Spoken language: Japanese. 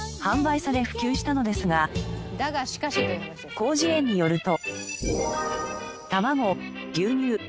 『広辞苑』によると。